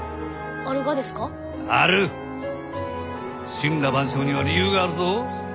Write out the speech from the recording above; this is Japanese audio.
森羅万象には理由があるぞ。